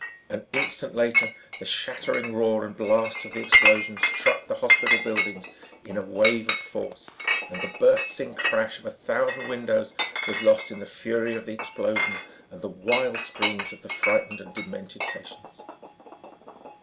An instant later, the shattering roar and blast of the explosion struck the hospital buildings in a wave of force and the bursting crash of a thousand windows was lost in the fury of the explosion and the wild screams of the frightened and demented patients.